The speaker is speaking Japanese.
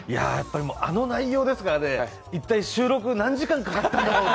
あの内容ですから、収録一体何時間かかったんだろうって。